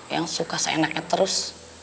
yang suka seenaknya terus